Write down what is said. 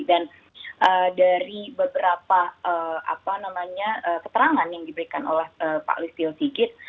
dan dari beberapa keterangan yang diberikan oleh pak listil sigit